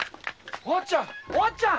お初ちゃん！